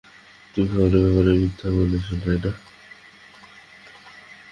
তুমি খামারের ব্যাপারে মিথ্যা বলেছ, তাই না?